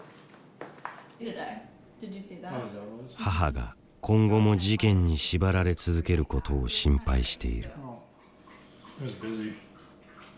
母が今後も事件に縛られ続けることを心配している。